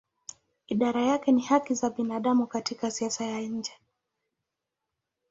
Idara yake ni haki za binadamu katika siasa ya nje.